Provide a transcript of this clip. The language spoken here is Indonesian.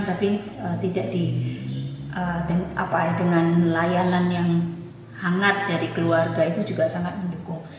tapi tidak dengan layanan yang hangat dari keluarga itu juga sangat mendukung